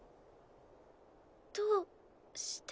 どうして？